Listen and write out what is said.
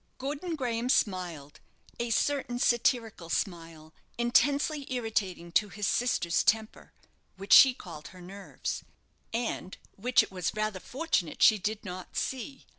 Gordon Graham smiled, a certain satirical smile, intensely irritating to his sister's temper (which she called her nerves), and which it was rather fortunate she did not see.